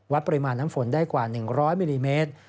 ปริมาณน้ำฝนได้กว่า๑๐๐มิลลิเมตร